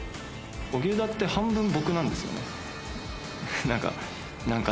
荻生田って半分僕なんですよね。